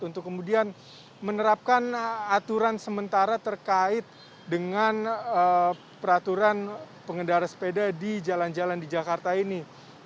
untuk kemudian menerapkan aturan sementara terkait dengan peraturan pengendara sepeda di jalan jalan di jakarta ini